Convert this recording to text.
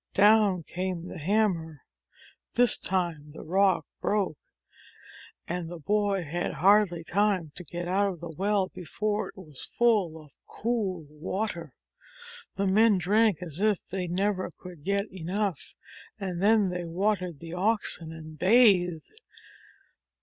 Down came the hammer. This time the rock broke. And the boy had hardly time to get out of the well before it was full of cool water. The men drank as if they never could get enough, and then they watered the oxen, and bathed.